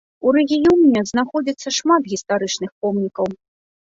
У рэгіёне знаходзіцца шмат гістарычных помнікаў.